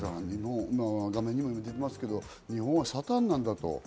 画面にも出てますけど日本はサタンなんだと。